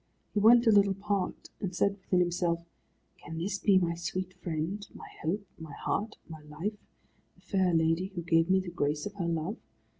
He went a little apart, and said within himself, "Can this be my sweet friend, my hope, my heart, my life, the fair lady who gave me the grace of her love?